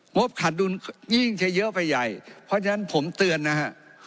บขาดดุลยิ่งจะเยอะไปใหญ่เพราะฉะนั้นผมเตือนนะฮะ